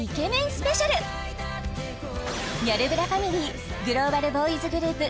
スペシャル「よるブラ」ファミリーグローバルボーイズグループ